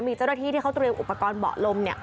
มีเจ้าหน้าที่ที่เขาเตรียมอุปกรณ์เบาะลม